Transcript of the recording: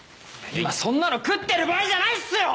今そんなの食ってる場合じゃないっすよ！